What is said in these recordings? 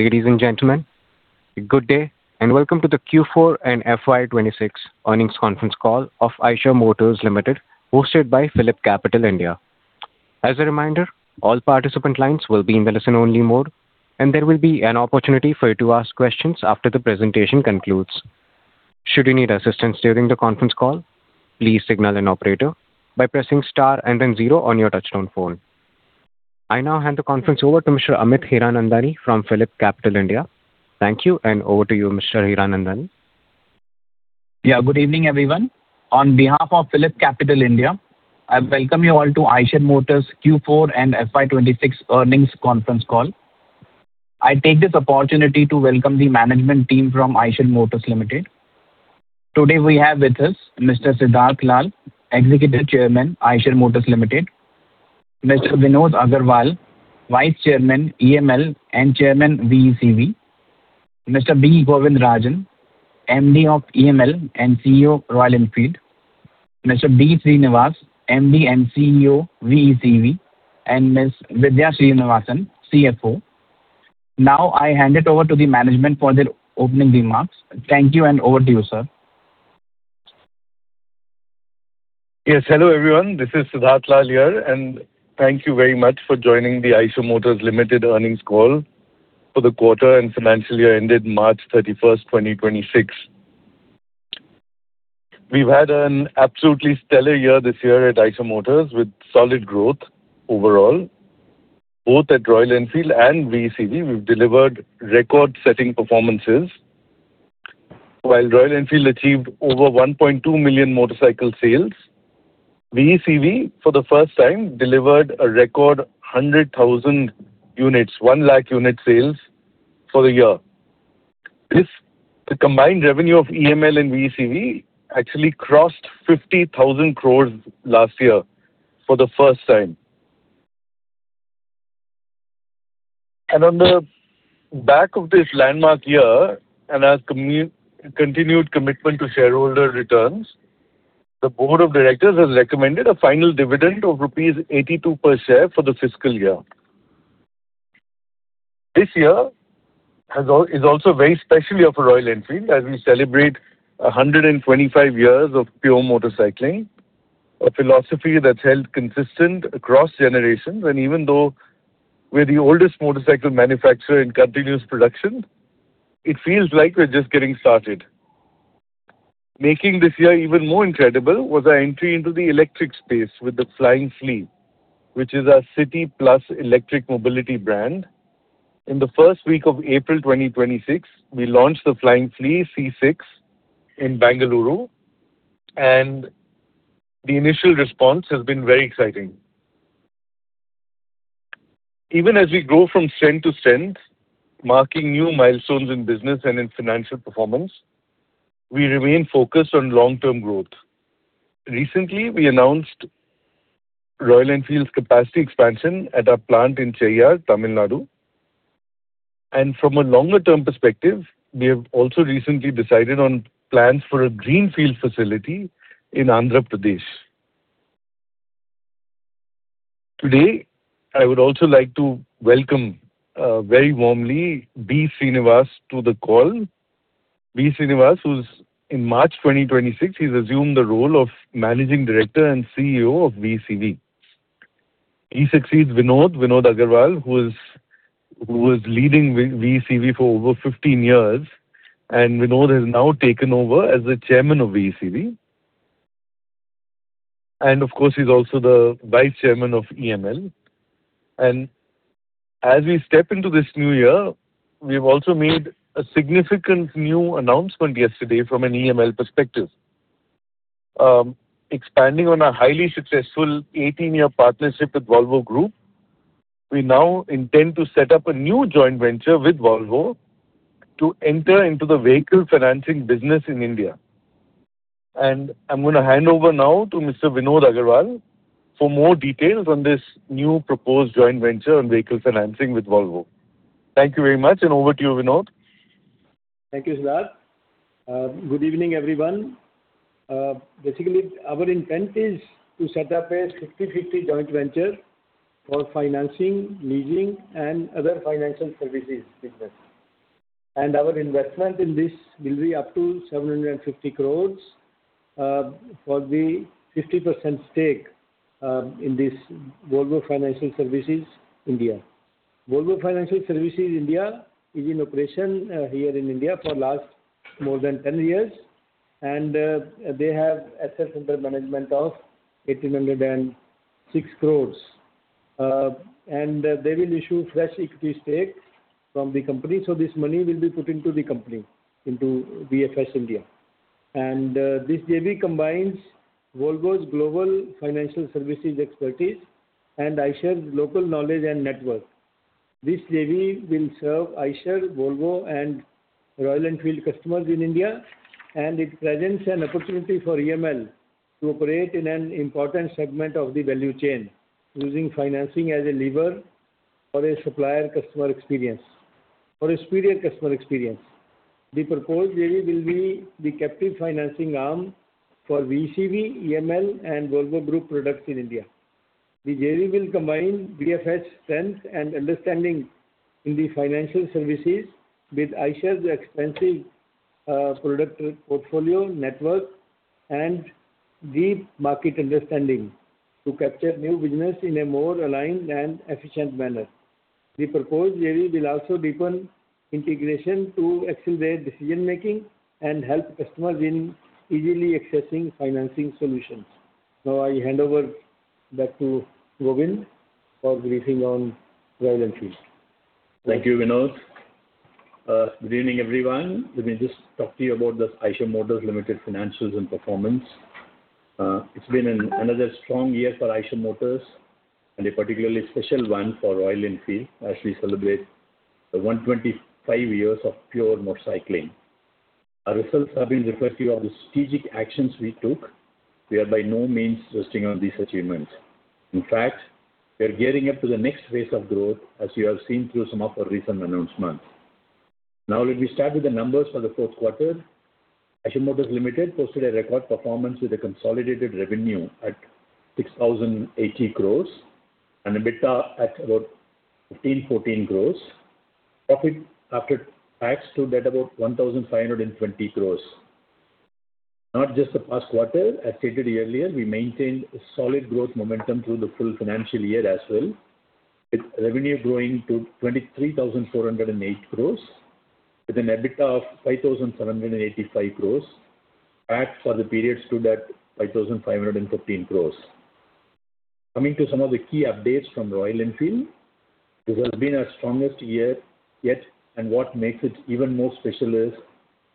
Ladies and gentlemen, good day, and welcome to the Q4 and FY 2026 earnings conference call of Eicher Motors Limited, hosted by PhillipCapital India. As a reminder, all participants lines will be in the listen-only mode, and there will be an opportunity for you to ask questions after the presentation concludes. Should you need assistance during the conference call, please signal an operator by pressing star and then zero on your touch-tone phone. I now hand the conference over to Mr. Amit Hiranandani from PhillipCapital India. Thank you, and over to you, Mr. Hiranandani. Yeah. Good evening, everyone. On behalf of PhillipCapital India, I welcome you all to Eicher Motors Q4 and FY 2026 earnings conference call. I take this opportunity to welcome the management team from Eicher Motors Limited. Today we have with us Mr. Siddhartha Lal, Executive Chairman, Eicher Motors Limited; Mr. Vinod Aggarwal, Vice Chairman, EML, and Chairman, VECV; Mr. B. Govindarajan, MD of EML and CEO, Royal Enfield; Mr. B. Srinivas, MD and CEO, VECV; and Ms. Vidhya Srinivasan, CFO. Now, I hand it over to the management for their opening remarks. Thank you, and over to you, sir. Yes. Hello, everyone. This is Siddhartha Lal here, and thank you very much for joining the Eicher Motors Limited earnings call for the quarter and financial year ended March 31st, 2026. We've had an absolutely stellar year this year at Eicher Motors, with solid growth overall, both at Royal Enfield and VECV. We've delivered record-setting performances. While Royal Enfield achieved over 1.2 million motorcycle sales, VECV, for the first time, delivered a record 100,000 units, 1 lakh unit sales for the year. The combined revenue of EML and VECV actually crossed 50,000 crores last year for the first time. On the back of this landmark year and our continued commitment to shareholder returns, the board of directors has recommended a final dividend of rupees 82 per share for the fiscal year. This year is also a very special year for Royal Enfield, as we celebrate 125 years of pure motorcycling, a philosophy that's held consistent across generations. Even though we're the oldest motorcycle manufacturer in continuous production, it feels like we're just getting started. Making this year even more incredible was our entry into the electric space with the Flying Flea, which is our City+ electric mobility brand. In the first week of April 2026, we launched the Flying Flea C6 in Bengaluru, and the initial response has been very exciting. Even as we grow from strength to strength, marking new milestones in business and in financial performance, we remain focused on long-term growth. Recently, we announced Royal Enfield's capacity expansion at our plant in Cheyyar, Tamil Nadu. From a longer-term perspective, we have also recently decided on plans for a greenfield facility in Andhra Pradesh. Today, I would also like to welcome very warmly B. Srinivas to the call. B. Srinivas, who in March 2026, has assumed the role of Managing Director and CEO of VECV. He succeeds Vinod Aggarwal, who was leading VECV for over 15 years. Vinod has now taken over as the Chairman of VECV. Of course, he's also the Vice Chairman of EML. As we step into this new year, we've also made a significant new announcement yesterday from an EML perspective. Expanding on our highly successful 18-year partnership with Volvo Group, we now intend to set up a new joint venture with Volvo to enter into the vehicle financing business in India. I'm going to hand over now to Mr. Vinod Aggarwal for more details on this new proposed joint venture on vehicle financing with Volvo. Thank you very much, and over to you, Vinod. Thank you, Siddharth. Good evening, everyone. Basically, our intent is to set up a 50/50 joint venture for financing, leasing, and other financial services business. Our investment in this will be up to 750 crores for the 50% stake in this Volvo Financial Services India. Volvo Financial Services India is in operation here in India for the last more than 10 years, and they have assets under management of 1,806 crores. They will issue fresh equity stakes from the company. This money will be put into the company, into VFS India. This JV combines Volvo's global financial services expertise and Eicher's local knowledge and net worth. This JV will serve Eicher, Volvo, and Royal Enfield customers in India, and it presents an opportunity for EML to operate in an important segment of the value chain, using financing as a lever for a superior customer experience. The proposed JV will be the captive financing arm for VECV, EML, and Volvo Group products in India. The JV will combine VFS strength and understanding in the financial services with Eicher's extensive product portfolio, net worth, and deep market understanding to capture new business in a more aligned and efficient manner. The proposed JV will also deepen integration to accelerate decision-making and help customers in easily accessing financing solutions. I hand over back to Govind for briefing on Royal Enfield. Thank you, Vinod. Good evening, everyone. Let me just talk to you about the Eicher Motors Limited financials and performance. It has been another strong year for Eicher Motors and a particularly special one for Royal Enfield as we celebrate the 125 years of pure motorcycling. Our results have been reflective of the strategic actions we took. We are by no means resting on these achievements. We are gearing up to the next phase of growth, as you have seen through some of our recent announcements. Let me start with the numbers for the fourth quarter. Eicher Motors Limited posted a record performance with a consolidated revenue at 6,080 crores and EBITDA at about 1,514 crores. Profit after tax stood at about 1,520 crores. Not just the past quarter, I stated earlier, we maintained a solid growth momentum through the full financial year as well, with revenue growing to 23,408 crores with an EBITDA of 5,785 crores. Tax for the period stood at 5,515 crores. Coming to some of the key updates from Royal Enfield. This has been our strongest year yet, and what makes it even more special is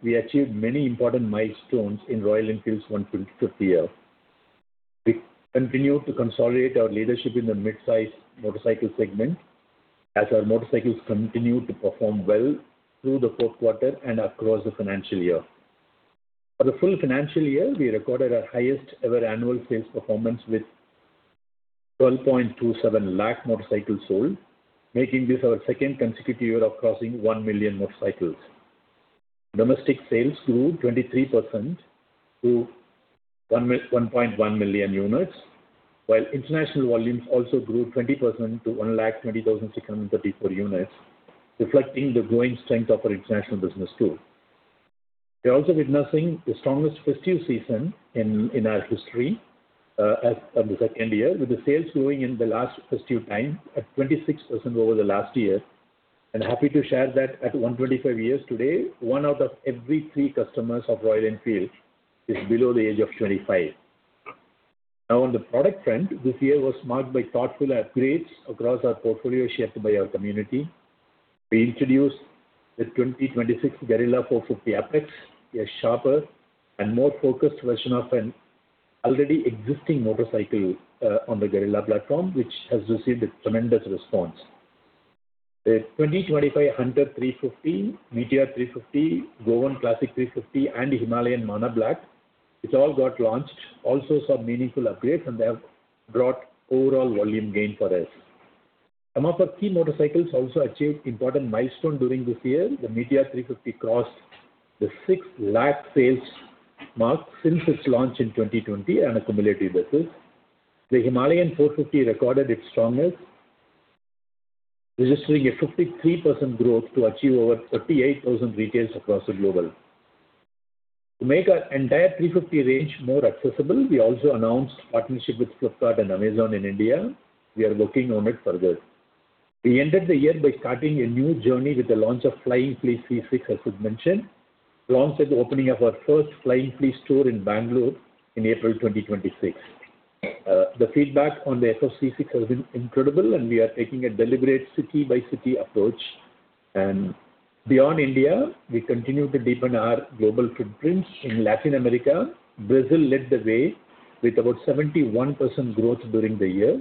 we achieved many important milestones in Royal Enfield's 125th year. We continue to consolidate our leadership in the mid-size motorcycle segment as our motorcycles continued to perform well through the fourth quarter and across the financial year. For the full financial year, we recorded our highest-ever annual sales performance with 12.27 lakh motorcycles sold, making this our second consecutive year of crossing 1 million motorcycles. Domestic sales grew 23% to 1.1 million units, while international volumes also grew 20% to 120,634 units, reflecting the growing strength of our international business too. We're also witnessing the strongest festive season in our history as of the second year, with the sales growing in the last festive time at 26% over the last year. Happy to share that at 125 years today, one out of every three customers of Royal Enfield is below the age of 25. Now, on the product front, this year was marked by thoughtful upgrades across our portfolio shared by our community. We introduced the 2026 Guerrilla 450 Apex, a sharper and more focused version of an already existing motorcycle on the Guerrilla platform, which has received a tremendous response. The 2025 Hunter 350, Meteor 350, Goan Classic 350, and Himalayan Mana Black, which all got launched, also saw meaningful upgrades, and they have brought overall volume gain for us. Some of our key motorcycles also achieved important milestone during this year. The Meteor 350 crossed the 6 lakh sales mark since its launch in 2020 on a cumulative basis. The Himalayan 450 recorded its strongest, registering a 53% growth to achieve over 38,000 retails across the global. To make our entire 350 range more accessible, we also announced partnership with Flipkart and Amazon in India. We are working on it further. We ended the year by starting a new journey with the launch of Flying Flea C6, as was mentioned, launched at the opening of our first Flying Flea store in Bangalore in April 2026. The feedback on the Flying Flea C6 has been incredible, and we are taking a deliberate city-by-city approach. Beyond India, we continue to deepen our global footprints. In Latin America, Brazil led the way with about 71% growth during the year.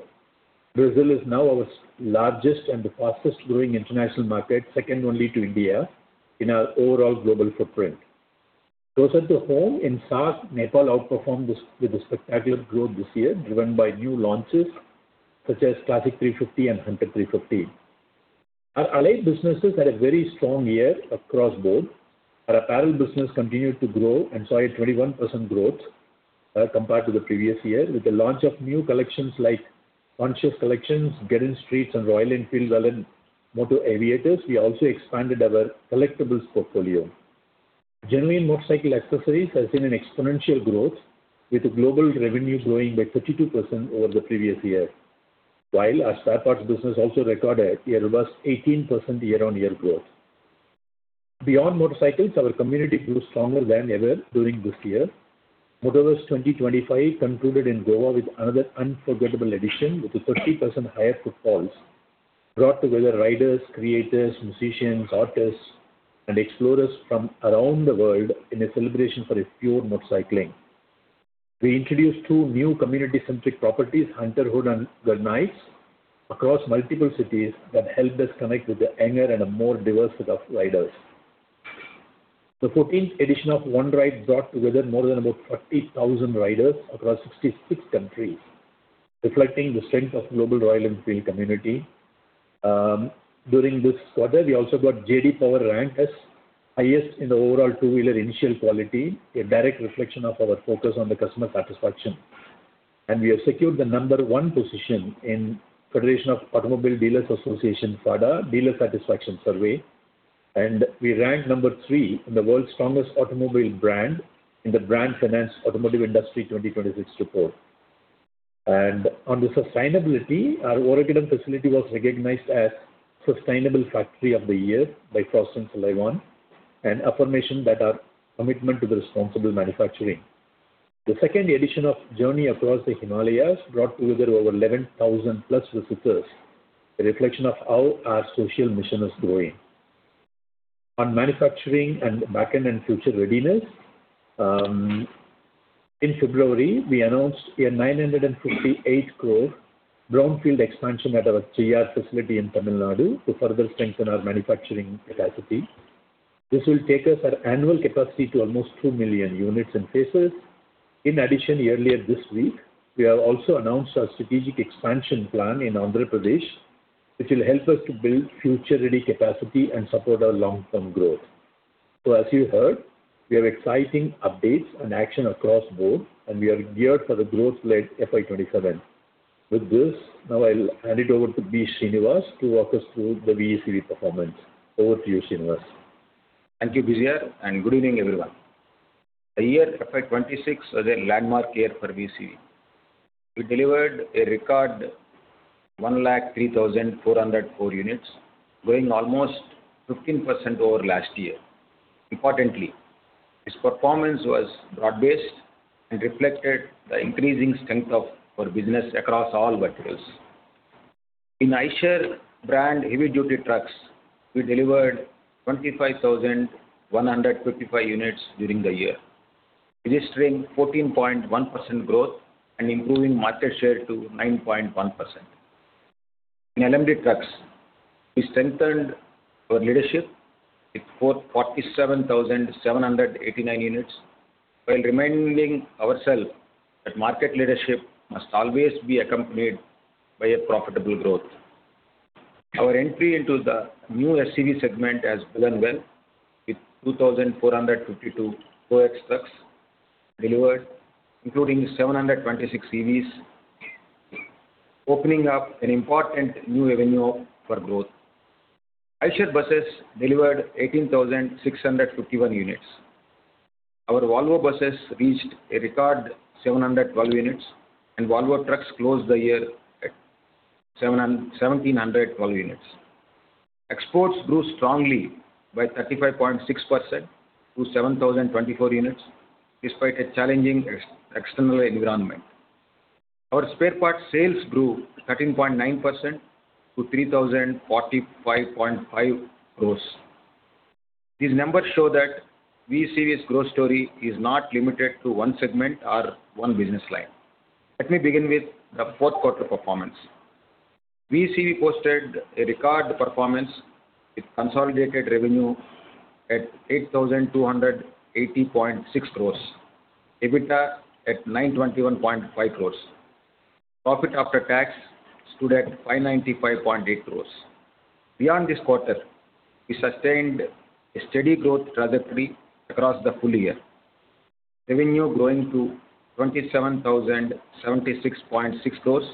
Brazil is now our largest and fastest-growing international market, second only to India in our overall global footprint. Closer to home, in SAARC, Nepal outperformed with a spectacular growth this year, driven by new launches such as Classic 350 and Hunter 350. Our allied businesses had a very strong year across board. Our apparel business continued to grow and saw a 21% growth compared to the previous year. With the launch of new collections like Conscious Collections, Get In-Streets, and Royal Enfield x VALLON Moto Aviators, we also expanded our collectibles portfolio. Genuine Motorcycle Accessories has seen an exponential growth with the global revenue growing by 32% over the previous year. While our spare parts business also recorded a robust 18% year-on-year growth. Beyond motorcycles, our community grew stronger than ever during this year. Motoverse 2025 concluded in Goa with another unforgettable edition, with a 30% higher footfalls, brought together riders, creators, musicians, artists, and explorers from around the world in a celebration for a pure motorcycling. We introduced two new community-centric properties, Hunterhood and The Nights, across multiple cities that helped us connect with a younger and a more diverse set of riders. The 14th edition of One Ride brought together more than about 30,000 riders across 66 countries, reflecting the strength of global Royal Enfield community. During this quarter, we also got J.D. Power ranked as highest in the overall two-wheeler initial quality, a direct reflection of our focus on customer satisfaction. We have secured the number one position in Federation of Automobile Dealers Associations, FADA, dealer satisfaction survey. We ranked number three in the world's strongest automobile brand in the Brand Finance Automotive Industry 2026 report. On the sustainability, our Oragadam facility was recognized as Sustainable Factory of the Year by Frost & Sullivan, an affirmation that our commitment to the responsible manufacturing. The second edition of Journeying Across The Himalayas brought together over 11,000+ visitors, a reflection of how our social mission is growing. On manufacturing and backend and future readiness, in February, we announced a 958 crore brownfield expansion at our Cheyyar facility in Tamil Nadu to further strengthen our manufacturing capacity. This will take us our annual capacity to almost 2 million units in pieces. In addition, earlier this week, we have also announced our strategic expansion plan in Andhra Pradesh, which will help us to build future-ready capacity and support our long-term growth. As you heard, we have exciting updates and action across board, and we are geared for the growth-led FY 2027. With this, now I'll hand it over to B. Srinivas to walk us through the VECV performance. Over to you, Srinivas. Thank you, B.G.R., and good evening, everyone. The year FY 2026 was a landmark year for VECV. We delivered a record 103,404 units, growing almost 15% over last year. Importantly, this performance was broad-based and reflected the increasing strength of our business across all verticals. In Eicher brand heavy-duty trucks, we delivered 25,155 units during the year, registering 14.1% growth and improving market share to 9.1%. In LMD trucks, we strengthened our leadership with 47,789 units, while reminding ourselves that market leadership must always be accompanied by a profitable growth. Our entry into the new SCV segment has begun well, with 2,452 ProX trucks delivered, including 726 EVs, opening up an important new avenue for growth. Eicher buses delivered 18,651 units. Our Volvo buses reached a record 712 units, and Volvo trucks closed the year at 1,712 units. Exports grew strongly by 35.6% to 7,024 units, despite a challenging external environment. Our spare parts sales grew 13.9% to 3,045.5 crores. These numbers show that VECV's growth story is not limited to one segment or one business line. Let me begin with the fourth quarter performance. VECV posted a record performance with consolidated revenue at 8,280.6 crores, EBITDA at 921.5 crores. Profit after tax stood at 595.8 crores. Beyond this quarter, we sustained a steady growth trajectory across the full year. Revenue growing to 27,076.6 crores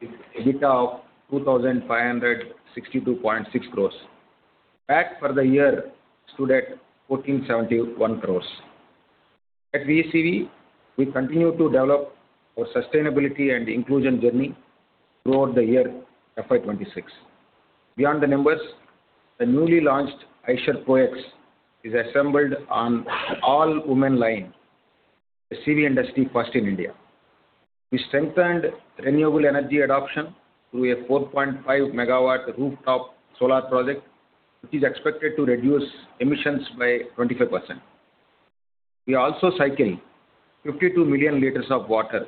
with EBITDA of 2,562.6 crores. Tax for the year stood at 1,471 crores. At VECV, we continue to develop our sustainability and inclusion journey throughout the year FY 2026. Beyond the numbers, the newly launched Eicher Pro X is assembled on all-women line, the CV industry first in India. We strengthened renewable energy adoption through a 4.5 MW rooftop solar project, which is expected to reduce emissions by 25%. We also cycle 52 million liters of water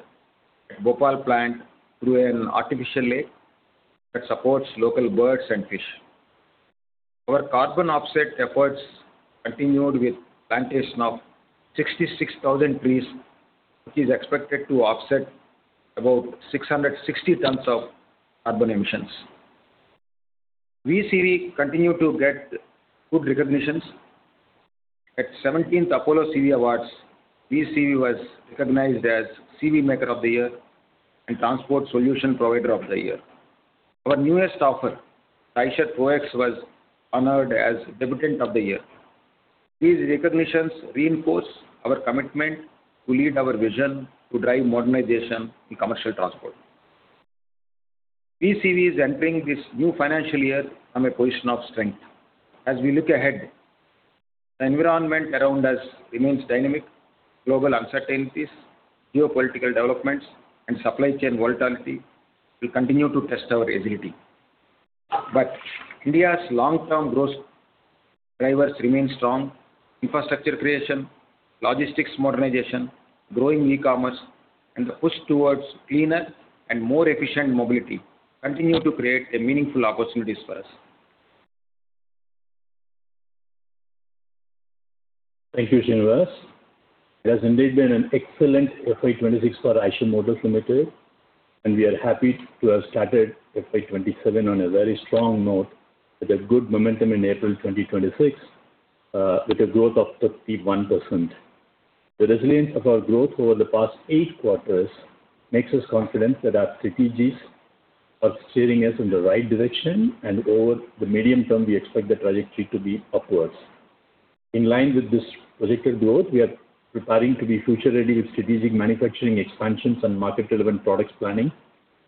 at Bhopal plant through an artificial lake that supports local birds and fish. Our carbon offset efforts continued with plantation of 66,000 trees, which is expected to offset about 660 tons of carbon emissions. VECV continued to get good recognitions. At 17th Apollo CV Awards, VECV was recognized as CV Maker of the Year and Transport Solution Provider of the Year. Our newest offer, the Eicher Pro X, was honored as Debutant of the Year. These recognitions reinforce our commitment to lead our vision to drive modernization in commercial transport. VECV is entering this new financial year from a position of strength. As we look ahead, the environment around us remains dynamic, global uncertainties, geopolitical developments, and supply chain volatility will continue to test our agility. India's long-term growth drivers remain strong. Infrastructure creation, logistics modernization, growing e-commerce, and the push towards cleaner and more efficient mobility continue to create a meaningful opportunities for us. Thank you, Srinivas. It has indeed been an excellent FY 2026 for Eicher Motors Limited. We are happy to have started FY 2027 on a very strong note with a good momentum in April 2026, with a growth of 31%. The resilience of our growth over the past eight quarters makes us confident that our strategies are steering us in the right direction. Over the medium term, we expect the trajectory to be upwards. In line with this projected growth, we are preparing to be future ready with strategic manufacturing expansions and market-relevant products planning,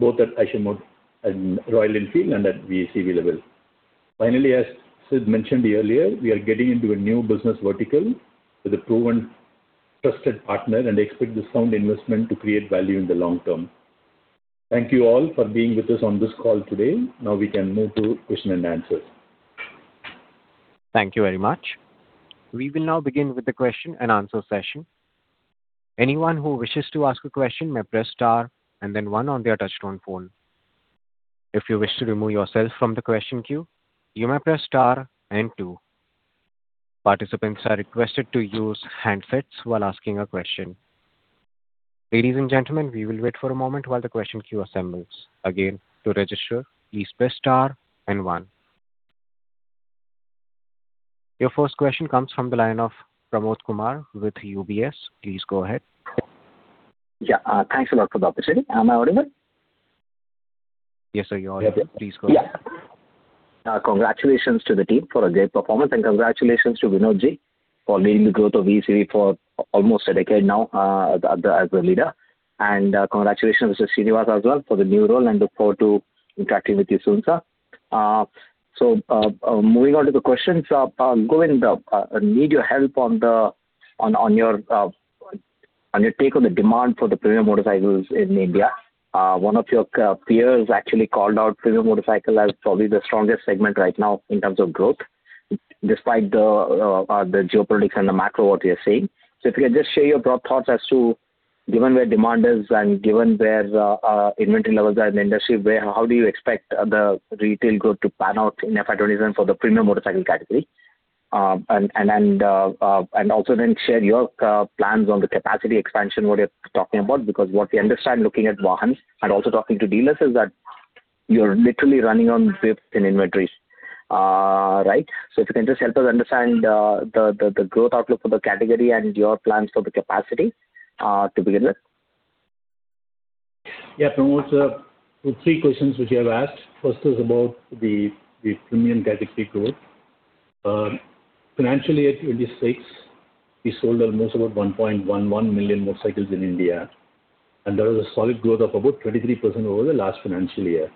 both at Eicher Motors and Royal Enfield and at VC level. Finally, as Sid mentioned earlier, we are getting into a new business vertical with a proven, trusted partner. We expect this sound investment to create value in the long term. Thank you all for being with us on this call today. Now we can move to question and answers. Thank you very much. We will now begin with the question and answer session. Anyone who wishes to ask a question may press star and then one on their touch-tone phone. If you wish to remove yourself from the question queue, you may press star and two. Participants are requested to use handsets while asking a question. Ladies and gentlemen, we will wait for a moment while the question queue assembles. Again, to register, please press star and one. Your first question comes from the line of Pramod Kumar with UBS. Please go ahead. Yeah. Thanks a lot for the opportunity. Am I audible? Yes, sir, you are. Please go ahead. Yeah. Congratulations to the team for a great performance. Congratulations to Vinod ji for leading the growth of VECV for almost a decade now as the leader. Congratulations to Srinivas as well for the new role. Look forward to interacting with you soon, sir. Moving on to the questions, Govindarajan, I need your help on your take on the demand for the premium motorcycles in India. One of your peers actually called out premium motorcycle as probably the strongest segment right now in terms of growth, despite the geopolitics and the macro, what you're seeing. If you can just share your broad thoughts as to, given where demand is and given where inventory levels are in the industry, how do you expect the retail growth to pan out in FY 2027 for the premium motorcycle category? Also then share your plans on the capacity expansion, what you're talking about, because what we understand looking at Vahan and also talking to dealers is that you're literally running on with thin inventories. Right? If you can just help us understand the growth outlook for the category and your plans for the capacity to begin with. Yeah. Pramod, the three questions which you have asked, first is about the premium category growth. Financially at 2026, we sold almost about 1.11 million motorcycles in India. There was a solid growth of about 23% over the last financial year.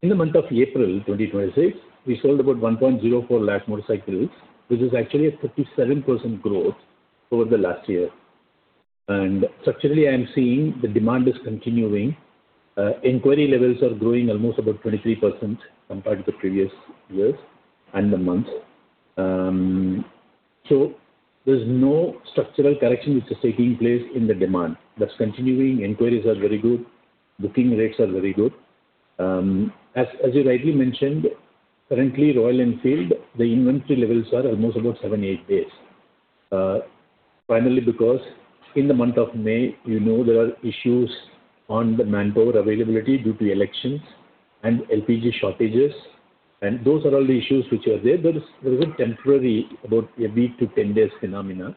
In the month of April 2026, we sold about 1.04 lakh motorcycles, which is actually a 37% growth over the last year. Structurally, I am seeing the demand is continuing. Inquiry levels are growing almost about 23% compared to the previous years and the months. There's no structural correction which is taking place in the demand. That's continuing. Inquiries are very good. Booking rates are very good. As you rightly mentioned, currently, Royal Enfield, the inventory levels are almost about seven, eight days. Primarily because in the month of May, you know there are issues on the manpower availability due to elections and LPG shortages, and those are all issues which are there. There is a temporary, about a week to 10 days phenomena,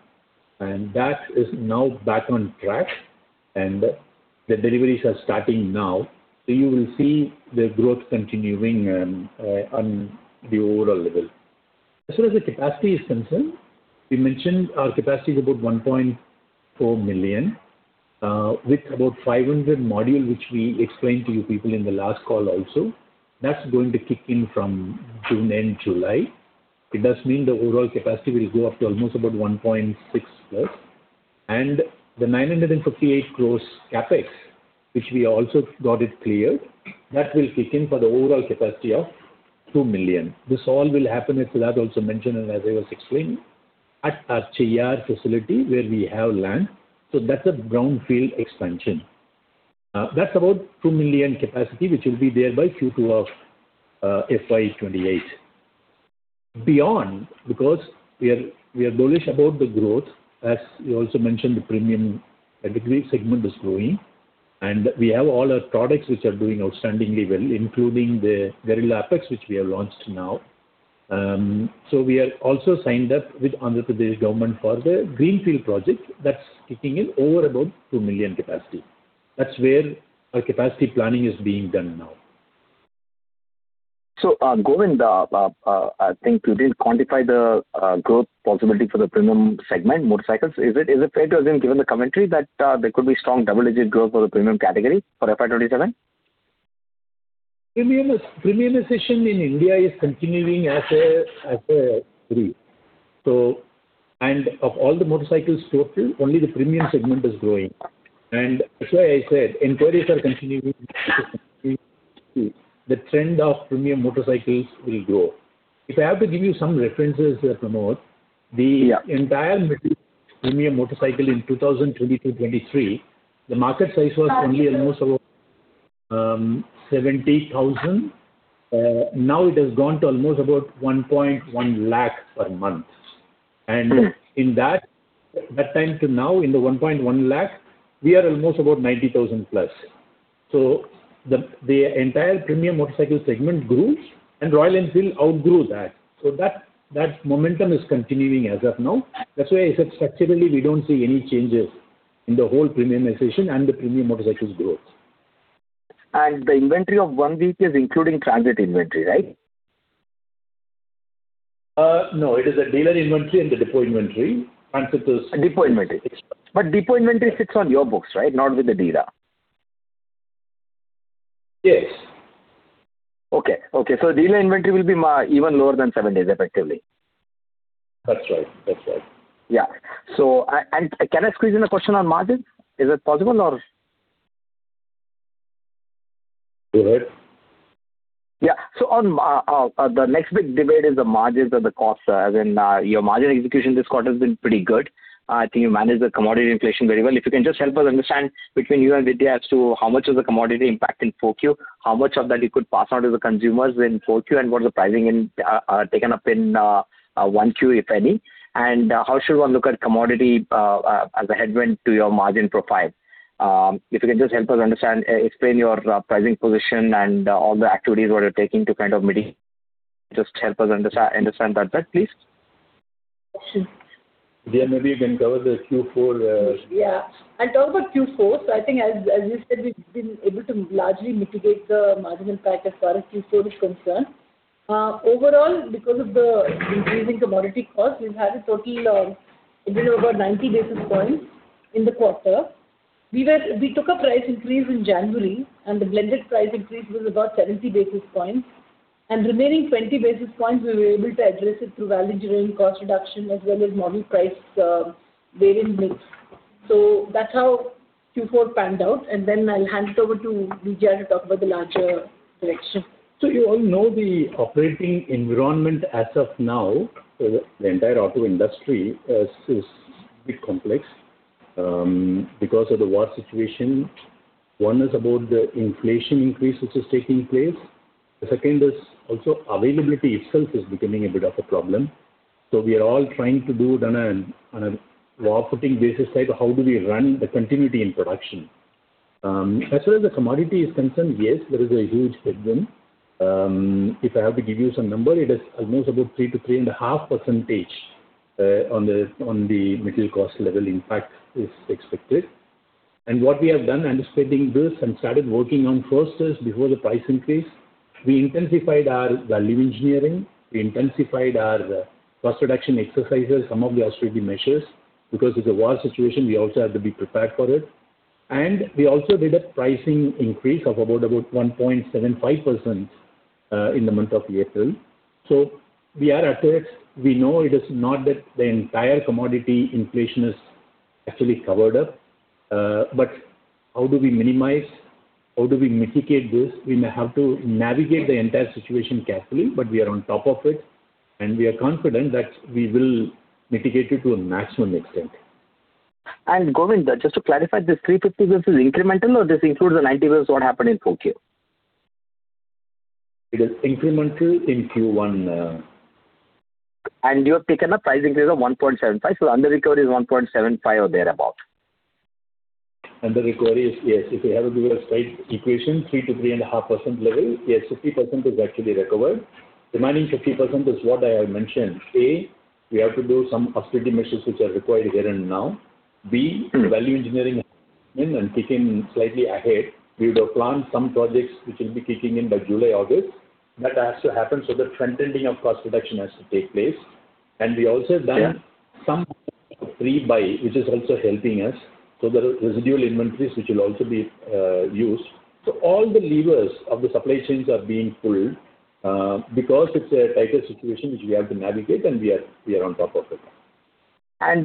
and that is now back on track and the deliveries are starting now. You will see the growth continuing on the overall level. As far as the capacity is concerned, we mentioned our capacity is about 1.4 million, with about 500 module, which we explained to you people in the last call also. That's going to kick in from June end, July. It does mean the overall capacity will go up to almost about 1.6 million-plus. The 958 gross CapEx, which we also got it cleared, that will kick in for the overall capacity of 2 million. This all will happen as Vinod also mentioned, and as I was explaining, at our Cheyyar facility where we have land. That's a brownfield expansion. That's about 2 million capacity, which will be there by Q2 of FY 2028. Beyond, because we are bullish about the growth, as you also mentioned, the premium category segment is growing, and we have all our products which are doing outstandingly well, including the Guerrilla Apex, which we have launched now. We are also signed up with Andhra Pradesh government for the Greenfield project that's kicking in over about 2 million capacity. That's where our capacity planning is being done now. Govind, I think you didn't quantify the growth possibility for the premium segment motorcycles. Is it fair to assume, given the commentary, that there could be strong double-digit growth for the premium category for FY 2027? Premiumization in India is continuing as a spree. Of all the motorcycles total, only the premium segment is growing. That's why I said, inquiries are continuing. The trend of premium motorcycles will grow. If I have to give you some references, Pramod. Yeah. The entire premium motorcycle in 2022, 2023, the market size was only almost about 70,000. Now it has gone to almost about 1.1 lakh per month. In that time to now, in the 1.1 lakh, we are almost about 90,000+. The entire premium motorcycle segment grew and Royal Enfield outgrew that. That momentum is continuing as of now. That's why I said structurally, we don't see any changes in the whole premiumization and the premium motorcycles growth. The inventory of one week is including transit inventory, right? No, it is the dealer inventory and the depot inventory. Transit is- Depot inventory. Depot inventory sits on your books, right? Not with the dealer. Yes. Okay. Dealer inventory will be even lower than seven days effectively. That's right. Yeah. Can I squeeze in a question on margin? Is it possible? Go ahead. Yeah. The next big debate is the margins or the costs. Your margin execution this quarter has been pretty good. I think you managed the commodity inflation very well. If you can just help us understand between you and Vidhya as to how much of the commodity impact in 4Q, how much of that you could pass on to the consumers in 4Q, and what is the pricing taken up in 1Q, if any. How should one look at commodity as a headwind to your margin profile? If you can just help us understand, explain your pricing position and all the activities that you're taking to kind of mitigate. Just help us understand that part, please. Vidhya, maybe you can cover the Q4. Yeah. I'll talk about Q4. I think as we said, we've been able to largely mitigate the margin impact as far as Q4 is concerned. Overall, because of the increasing commodity cost, we've had a total of a little over 90 basis points in the quarter. We took a price increase in January, and the blended price increase was about 70 basis points. Remaining 20 basis points, we were able to address it through value engineering, cost reduction as well as model price variance mix. That's how Q4 panned out, and then I'll hand it over to BG.R. To talk about the larger picture. You all know the operating environment as of now, the entire auto industry is a bit complex because of the war situation. One is about the inflation increase, which is taking place. The second is also availability itself is becoming a bit of a problem. We are all trying to do it on a raw footing basis type, how do we run the continuity in production? As far as the commodity is concerned, yes, there is a huge headwind. If I have to give you some number, it is almost about 3%-3.5% on the material cost level impact is expected. What we have done anticipating this and started working on first is before the price increase. We intensified our value engineering. We intensified our cost reduction exercises, some of the austerity measures. Because it's a war situation, we also have to be prepared for it. We also did a pricing increase of about 1.75% in the month of April. We are at it. We know it is not that the entire commodity inflation is actually covered up. How do we minimize, how do we mitigate this? We may have to navigate the entire situation carefully, but we are on top of it, and we are confident that we will mitigate it to a maximum extent. Govind, just to clarify, this 350 basis is incremental or this includes the 90 basis what happened in 4Q? It is incremental in Q1. You have taken a price increase of 1.75%, underrecovery is 1.75% or thereabout. Underrecovery is, yes. If you have to do a straight equation, 3%-3.5% level. Yes, 50% is actually recovered. Remaining 50% is what I have mentioned. A, we have to do some austerity measures which are required here and now. B, value engineering and kicking slightly ahead. We would have planned some projects which will be kicking in by July, August. That has to happen so that front-ending of cost reduction has to take place. We also have done some pre-buy, which is also helping us. There are residual inventories which will also be used. All the levers of the supply chains are being pulled because it's a tighter situation which we have to navigate and we are on top of it.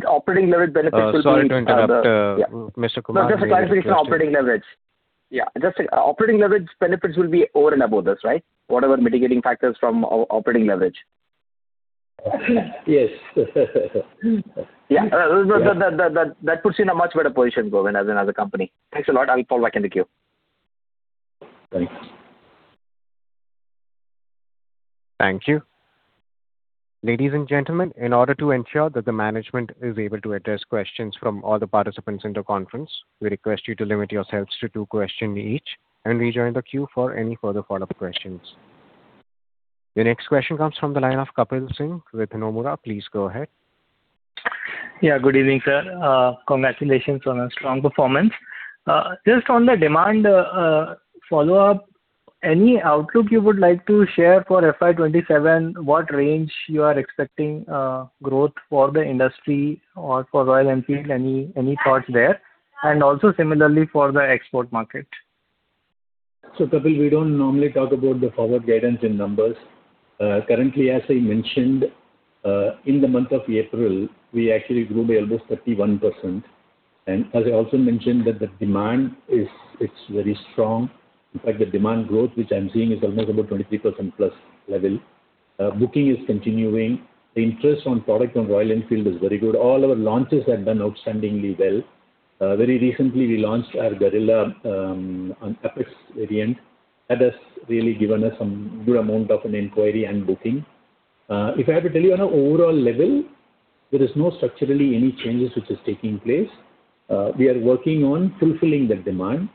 Operating leverage benefits will be. Sorry to interrupt, Mr. Kumar. No, just to clarify, it's an operating leverage. Yeah. Operating leverage benefits will be over and above this, right? Whatever mitigating factors from operating leverage. Yes. Yeah. That puts you in a much better position, Govind, as another company. Thanks a lot. I will fall back in the queue. Thanks. Thank you. Ladies and gentlemen, in order to ensure that the management is able to address questions from all the participants in the conference, we request you to limit yourselves to two questions each and rejoin the queue for any further follow-up questions. The next question comes from the line of Kapil Singh with Nomura. Please go ahead. Yeah, good evening, sir. Congratulations on a strong performance. Just on the demand follow-up, any outlook you would like to share for FY 2027? What range you are expecting growth for the industry or for Royal Enfield? Any thoughts there? Also similarly for the export market. Kapil, we don't normally talk about the forward guidance in numbers. Currently, as I mentioned, in the month of April, we actually grew by almost 31%. As I also mentioned that the demand is very strong. In fact, the demand growth which I'm seeing is almost about 23%+ level. Booking is continuing. The interest on product on Royal Enfield is very good. All our launches have done outstandingly well. Very recently, we launched our Guerrilla Apex variant. That has really given us some good amount of inquiry and booking. If I have to tell you on an overall level, there is no structurally any changes which is taking place. We are working on fulfilling that demand.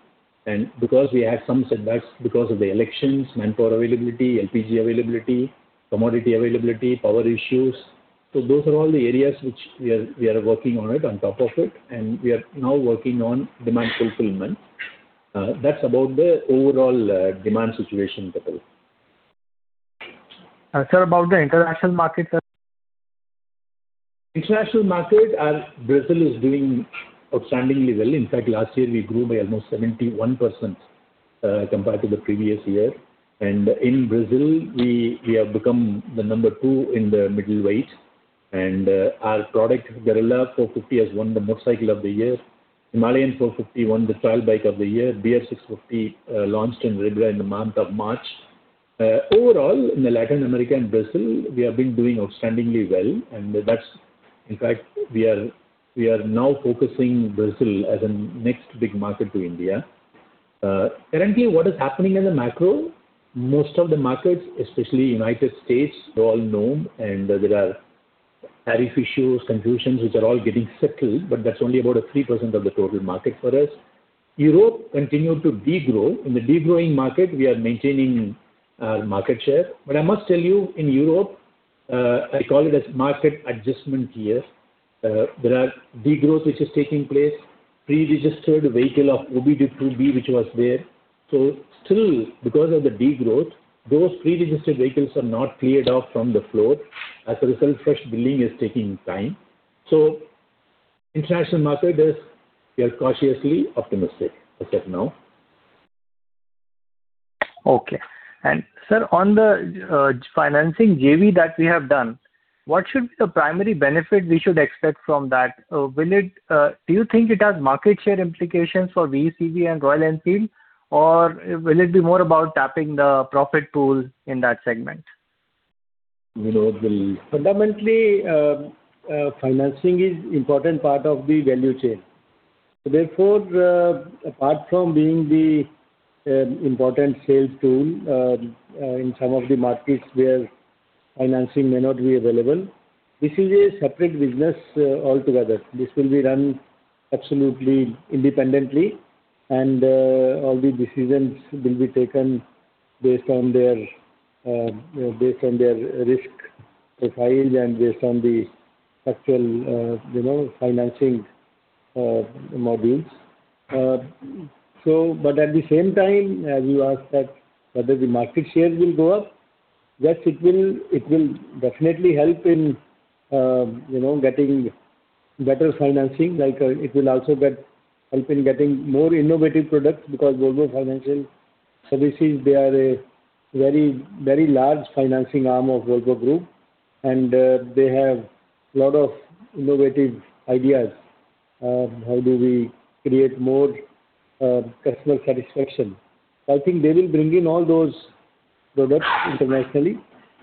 Because we had some setbacks because of the elections, manpower availability, LPG availability, commodity availability, power issues. Those are all the areas which we are working on it, on top of it, and we are now working on demand fulfillment. That's about the overall demand situation, Kapil. Sir, about the international market? International market, Brazil is doing outstandingly well. Last year we grew by almost 71% compared to the previous year. In Brazil, we have become the number two in the middleweight. Our product, Guerrilla 450, has won the Motorcycle of the Year. Himalayan 450 won the Trail Bike of the Year. Bear 650 launched in Ribeirão in the month of March. Overall, in Latin America and Brazil, we have been doing outstandingly well. We are now focusing Brazil as a next big market to India. Currently, what is happening in the macro, most of the markets, especially United States., we all know, there are tariff issues, confusions, which are all getting settled, that's only about 3% of the total market for us. Europe continued to degrow. In the degrowing market, we are maintaining our market share. I must tell you, in Europe, I call it as market adjustment year. There are degrowth which is taking place, pre-registered vehicle of [B2B] which was there. Still, because of the degrowth, those pre-registered vehicles are not cleared off from the floor. As a result, fresh billing is taking time. International market is, we are cautiously optimistic as of now. Okay. Sir, on the financing JV that we have done, what should be the primary benefit we should expect from that? Do you think it has market share implications for VECV and Royal Enfield? Will it be more about tapping the profit pool in that segment? Fundamentally, financing is important part of the value chain. Apart from being the important sales tool in some of the markets where financing may not be available, this is a separate business altogether. This will be run absolutely independently, and all the decisions will be taken based on their risk profile and based on the structural financing modules. At the same time, you asked that whether the market shares will go up. Yes, it will definitely help in getting better financing. It will also help in getting more innovative products because Volvo Financial Services, they are a very large financing arm of Volvo Group, and they have lot of innovative ideas. How do we create more customer satisfaction? I think they will bring in all those products internationally.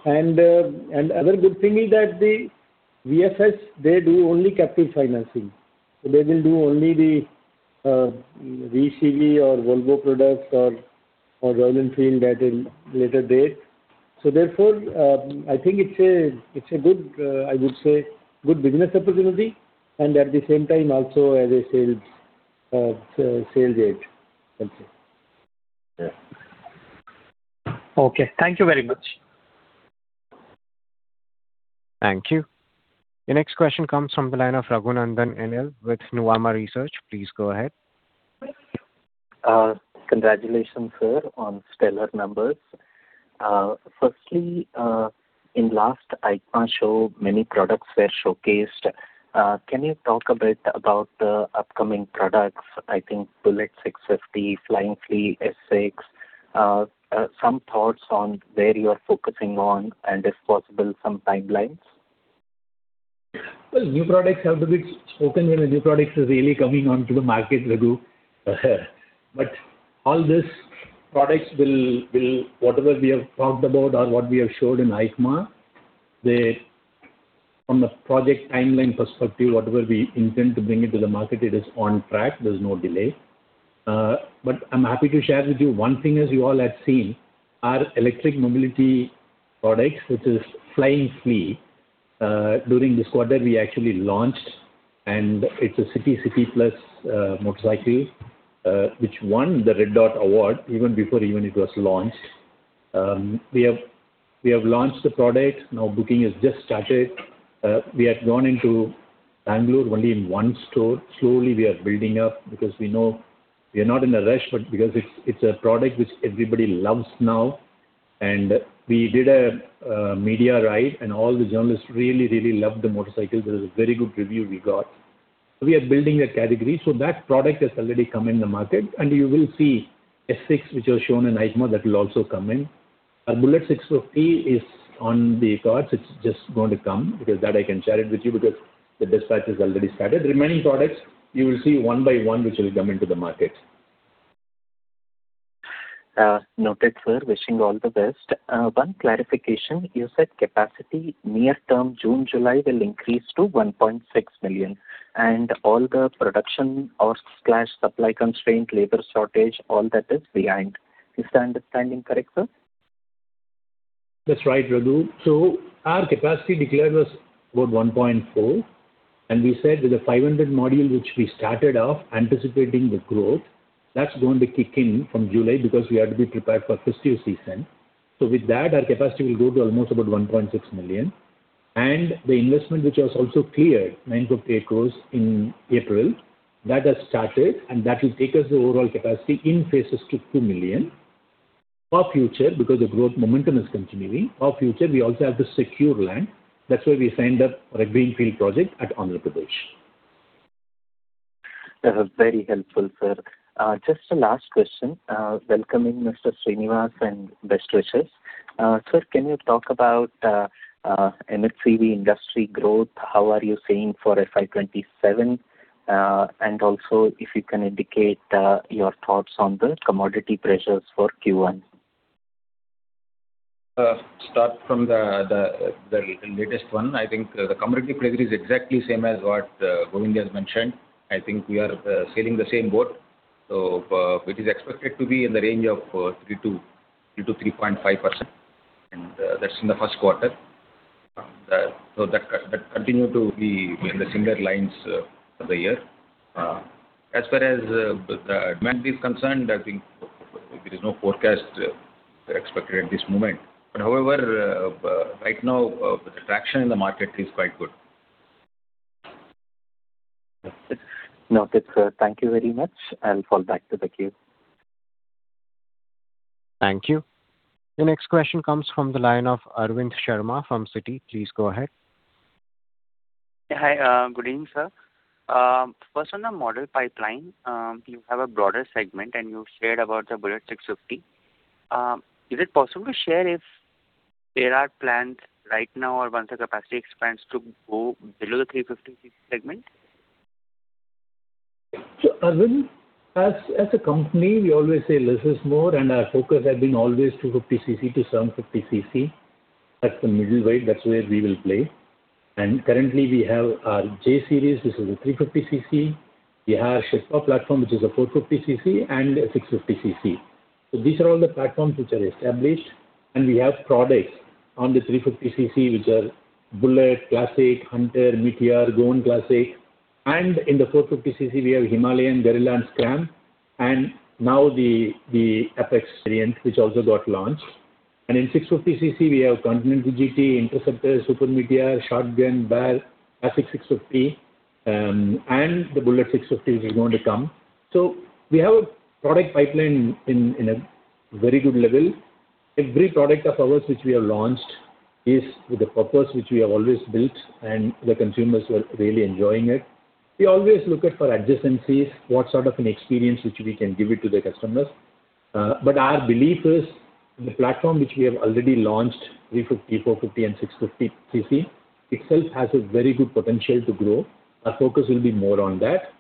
Other good thing is that the VFS, they do only captive financing. They will do only the VECV or Volvo products or Royal Enfield at a later date. Therefore, I think it's a good business opportunity and at the same time also as a sales aid. Okay. Thank you very much. Thank you. The next question comes from the line of Raghunandhan NL with Nuvama Research. Please go ahead. Congratulations, sir, on stellar numbers. In last EICMA show, many products were showcased. Can you talk a bit about the upcoming products? I think Bullet 650, Flying Flea S6. Some thoughts on where you are focusing on, and if possible, some timelines. Well, new products have to be spoken when a new product is really coming onto the market, Raghu. All these products, whatever we have talked about or what we have showed in EICMA, from the project timeline perspective, whatever we intend to bring into the market, it is on track. There's no delay. I'm happy to share with you one thing, as you all have seen, our electric mobility product, which is Flying Flea. During this quarter, we actually launched, and it's a City/City+ motorcycle, which won the Red Dot Award even before it was launched. We have launched the product. Now booking has just started. We have gone into Bengaluru only in one store. Slowly we are building up because we know we are not in a rush, but because it's a product which everybody loves now. We did a media ride, and all the journalists really, really loved the motorcycle. There was a very good review we got. We are building a category. That product has already come in the market, and you will see S6, which was shown in EICMA. That will also come in. Our Bullet 650 is on the cards. It's just going to come. Because that I can share it with you because the dispatch has already started. Remaining products, you will see one by one, which will come into the market. Noted, sir. Wishing all the best. One clarification. You said capacity near term June, July will increase to 1.6 million, and all the production or supply constraint, labor shortage, all that is behind. Is my understanding correct, sir? That's right, Raghu. Our capacity declared was about 1.4 million. We said with a 500 module, which we started off anticipating the growth, that's going to kick in from July because we have to be prepared for festive season. With that, our capacity will go to almost about 1.6 million. The investment which was also cleared, 950 crores in April, that has started and that will take us the overall capacity in phases to 2 million. For future, because the growth momentum is continuing, we also have to secure land. That's why we signed up a Greenfield project at Andhra Pradesh. Very helpful, sir. Just a last question. Welcoming Mr. Srinivas and best wishes. Sir, can you talk about MHCV industry growth? How are you seeing for FY 2027? Also if you can indicate your thoughts on the commodity pressures for Q1. I'll start from the latest one. I think the commodity pressure is exactly same as what Govind has mentioned. I think we are sailing the same boat. It is expected to be in the range of 3%-3.5%, and that's in the first quarter. That continue to be in the similar lines for the year. As far as the demand is concerned, I think there is no forecast expected at this moment. However, right now the traction in the market is quite good. Noted, sir. Thank you very much. I'll fall back to the queue. Thank you. The next question comes from the line of Arvind Sharma from Citi. Please go ahead. Hi. Good evening, sir. First on the model pipeline. You have a broader segment, and you shared about the Bullet 650. Is it possible to share if there are plans right now or once the capacity expands to go below the 350cc segment? Arvind, as a company, we always say less is more, our focus has been always 250cc-750cc. That's the middle weight. That's where we will play. Currently we have our J series. This is a 350cc. We have Sherpa platform, which is a 450cc and a 650cc. These are all the platforms which are established. We have products on the 350cc, which are Bullet, Classic, Hunter, Meteor, Goan Classic. In the 450cc, we have Himalayan, Guerrilla and Scram. Now the Apex variant, which also got launched. In 650cc, we have Continental GT, Interceptor, Super Meteor, Shotgun, Bear, Classic 650, and the Bullet 650 is going to come. We have a product pipeline in a very good level. Every product of ours which we have launched is with the purpose which we have always built, and the consumers are really enjoying it. We always look at for adjacencies, what sort of an experience which we can give it to the customers. Our belief is the platform which we have already launched, 350cc, 450cc and 650cc itself has a very good potential to grow. Our focus will be more on that.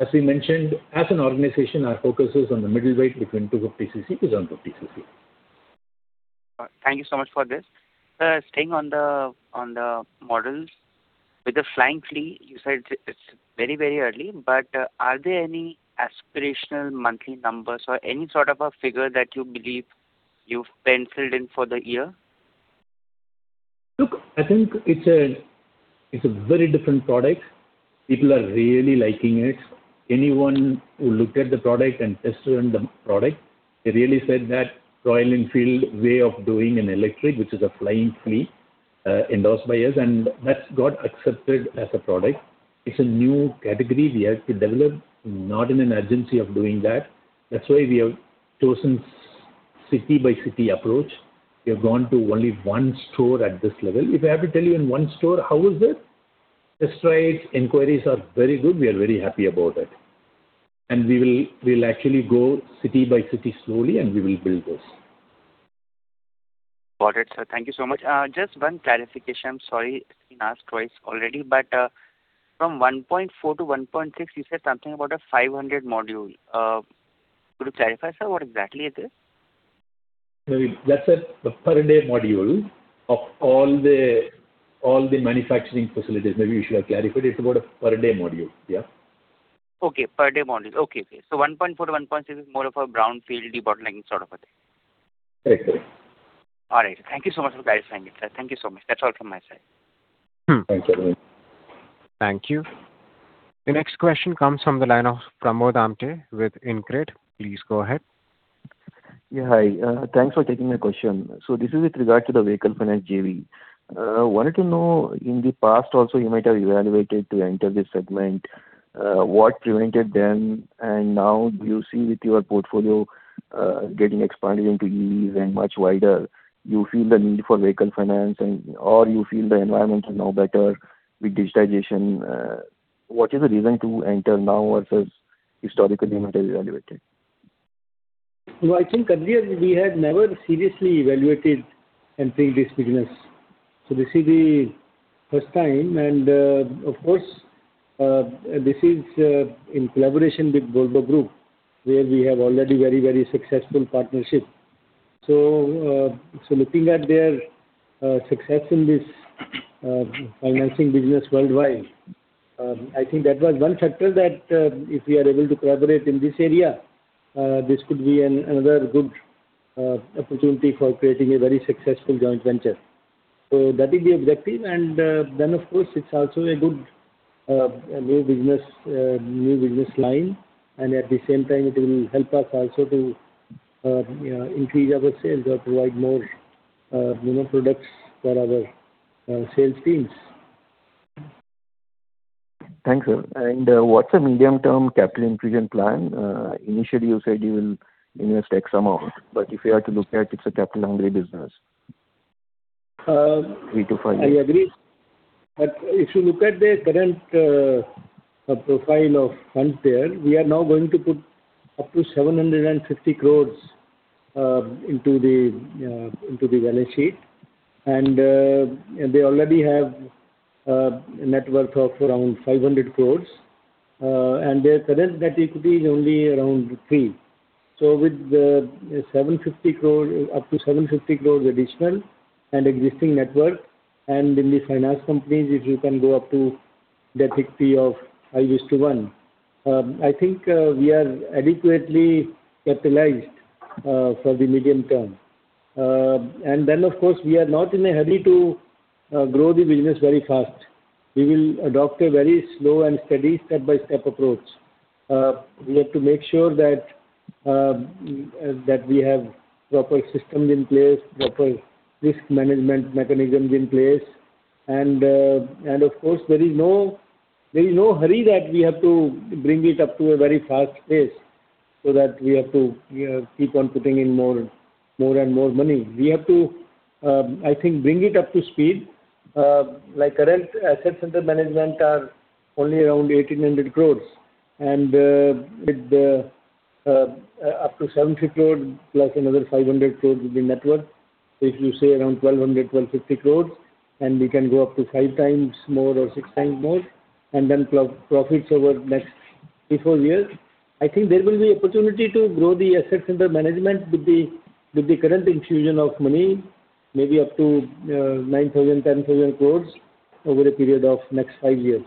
As we mentioned, as an organization, our focus is on the middleweight between 250cc to 750cc. Thank you so much for this. Sir, staying on the models. With the Flying Flea, you said it's very early, but are there any aspirational monthly numbers or any sort of a figure that you believe you've penciled in for the year? Look, I think it's a very different product. People are really liking it. Anyone who looked at the product and tested the product, they really said that Royal Enfield way of doing an electric, which is a Flying Flea, endorsed by us, and that's got accepted as a product. It's a new category we have to develop, not in an urgency of doing that. That's why we have chosen city by city approach. We have gone to only one store at this level. If I have to tell you in one store, how is it? Test rides, inquiries are very good. We are very happy about it. We'll actually go city by city slowly, and we will build this. Got it, sir. Thank you so much. Just one clarification. Sorry it's been asked twice already. From 1.4 million to 1.6 million, you said something about a 500 module. Could you clarify, sir, what exactly it is? That's a per day module of all the manufacturing facilities. We should have clarified. It's about a per day module. Yeah. Okay. Per day module. Okay. 1.4 million to 1.6 million is more of a brownfield debottlenecking sort of a thing. Correctly. All right, sir. Thank you so much for clarifying it, sir. Thank you so much. That is all from my side. Thank you. Thank you. The next question comes from the line of Pramod Amthe with InCred. Please go ahead. Yeah. Hi. Thanks for taking the question. This is with regard to the vehicle finance JV. Wanted to know, in the past also, you might have evaluated to enter this segment. What prevented then, now do you see with your portfolio getting expanded into EVs and much wider, you feel the need for vehicle finance or you feel the environment is now better with digitization? What is the reason to enter now versus historically you might have evaluated? I think earlier we had never seriously evaluated entering this business This is the first time, and of course, this is in collaboration with Volvo Group, where we have already very successful partnership. Looking at their success in this financing business worldwide, I think that was one factor that if we are able to collaborate in this area, this could be another good opportunity for creating a very successful joint venture. That is the objective. Then, of course, it's also a good new business line. At the same time, it will help us also to increase our sales or provide more products for our sales teams. Thanks, sir. What's the medium-term capital infusion plan? Initially, you said you will invest X amount, but if you are to look at it's a capital-hungry business. I agree. If you look at the current profile of Hunter, we are now going to put up to 750 crores into the balance sheet, and they already have a net worth of around 500 crores. Their current debt equity is only around 3. With up to 750 crores additional and existing net worth, and in the finance companies, if you can go up to debt equity of 1. I think we are adequately capitalized for the medium term. Of course, we are not in a hurry to grow the business very fast. We will adopt a very slow and steady step-by-step approach. We have to make sure that we have proper systems in place, proper risk management mechanisms in place. Of course, there is no hurry that we have to bring it up to a very fast pace so that we have to keep on putting in more and more money. We have to, I think, bring it up to speed. Like current assets under management are only around 1,800 crores, and with up to 750 crores plus another 500 crores will be network. If you say around 1,200-1,250 crores, and we can go up to 5x more or 6x more, and then profits over next three, four years. I think there will be opportunity to grow the assets under management with the current infusion of money, maybe up to 9,000-10,000 crores over a period of next five years.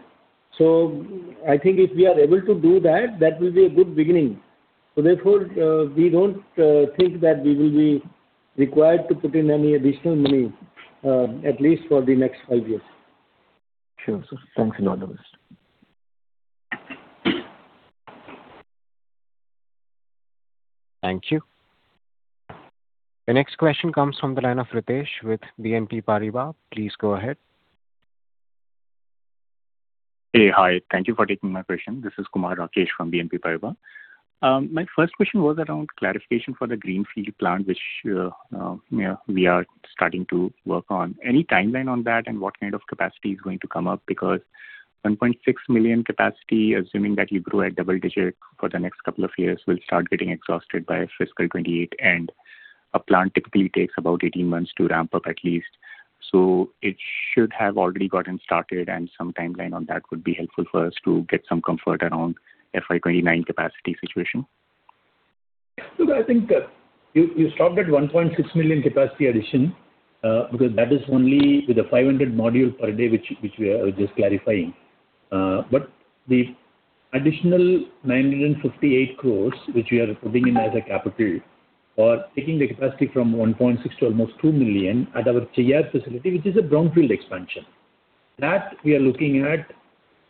I think if we are able to do that will be a good beginning. Therefore, we don't think that we will be required to put in any additional money, at least for the next five years. Sure, sir. Thanks a lot. Thank you. The next question comes from the line of Ritesh with BNP Paribas. Please go ahead. Hey. Hi. Thank you for taking my question. This is Kumar Rakesh from BNP Paribas. My first question was around clarification for the Greenfield plant, which we are starting to work on. Any timeline on that, and what kind of capacity is going to come up? 1.6 million capacity, assuming that you grow at double-digit for the next couple of years, will start getting exhausted by fiscal 2028, and a plant typically takes about 18 months to ramp up at least. It should have already gotten started, and some timeline on that would be helpful for us to get some comfort around FY 2029 capacity situation. I think you stopped at 1.6 million capacity addition, because that is only with the 500 module per day, which we are just clarifying. The additional 958 crore, which we are putting in as a capital, or taking the capacity from 1.6 million to almost 2 million at our Cheyyar facility, which is a brownfield expansion. That we are looking at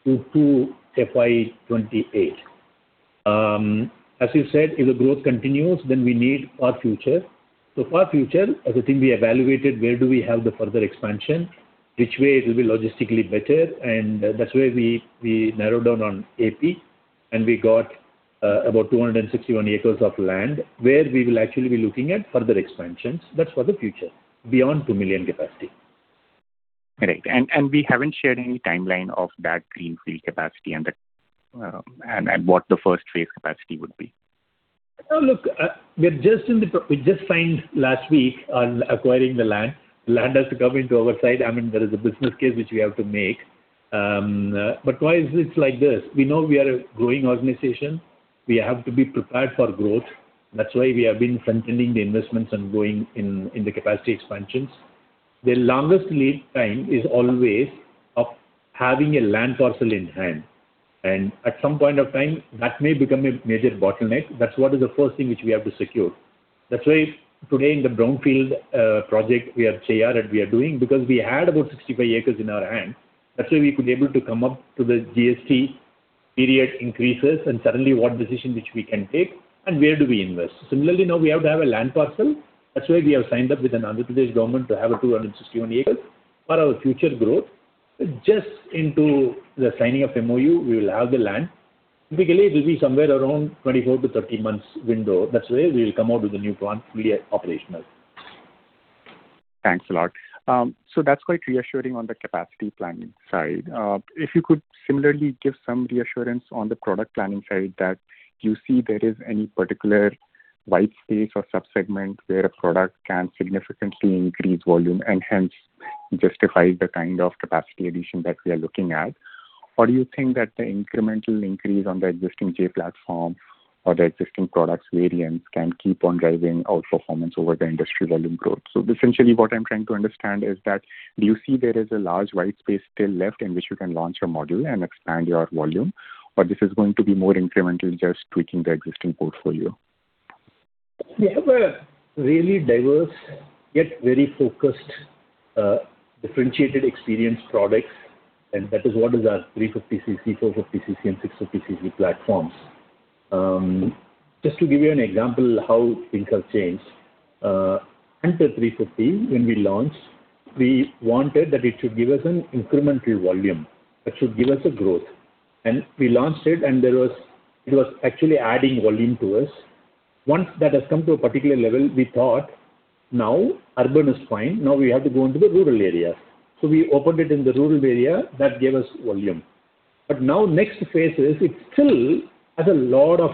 to FY 2028. As you said, if the growth continues, we need far future. Far future, as a team, we evaluated where do we have the further expansion, which way it will be logistically better, and that's where we narrowed down on A.P., and we got about 261 acres of land where we will actually be looking at further expansions. That's for the future, beyond 2 million capacity. Right. We haven't shared any timeline of that greenfield capacity and what the first phase capacity would be. Look, we just signed last week on acquiring the land. Land has to come into our side. There is a business case which we have to make. Why is it like this? We know we are a growing organization. We have to be prepared for growth. That's why we have been frontending the investments and going in the capacity expansions. The longest lead time is always of having a land parcel in hand. At some point of time, that may become a major bottleneck. That's what is the first thing which we have to secure. That's why today in the brownfield project, we have Cheyyar that we are doing because we had about 65 acres in our hand. That's why we could able to come up to the GST period increases and suddenly what decision which we can take and where do we invest. Similarly, now we have to have a land parcel. That's why we have signed up with Andhra Pradesh government to have a 261 acres for our future growth. Just into the signing of MOU, we will have the land. Typically, it will be somewhere around 24-30 months window. That's where we will come out with the new plant, we are operational. Thanks a lot. That's quite reassuring on the capacity planning side. If you could similarly give some reassurance on the product planning side that you see there is any particular white space or sub-segment where a product can significantly increase volume and hence justify the kind of capacity addition that we are looking at. Do you think that the incremental increase on the existing J platform or the existing product variants can keep on driving outperformance over the industry volume growth? Essentially, what I'm trying to understand is that, do you see there is a large white space still left in which you can launch your model and expand your volume? This is going to be more incremental, just tweaking the existing portfolio? We have a really diverse, yet very focused, differentiated experience products. That is what is our 350cc, 450cc, and 650cc platforms. Just to give you an example how things have changed. Hunter 350, when we launched, we wanted that it should give us an incremental volume, that should give us a growth. We launched it, and it was actually adding volume to us. Once that has come to a particular level, we thought now urban is fine, now we have to go into the rural area. We opened it in the rural area. That gave us volume. Now next phase is, it still has a lot of